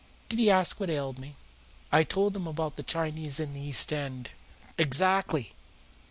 Did he ask what ailed me?" "I told him about the Chinese in the East End." "Exactly!